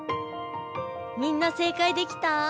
みんな正解できた？